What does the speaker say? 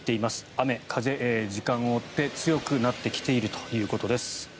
雨風、時間を追って強くなってきているということです。